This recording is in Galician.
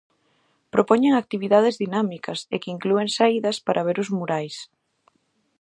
Propoñen actividades dinámicas e que inclúen saídas para ver os murais.